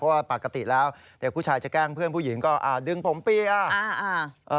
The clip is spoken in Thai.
เพราะว่าปกติแล้วเด็กผู้ชายจะแกล้งเพื่อนผู้หญิงก็อ่าดึงผมเปียร์อ่าอ่า